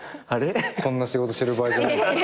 こんな仕事してる場合じゃない。